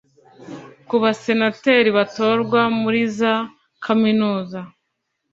ku basenateri batorwa muri za kaminuza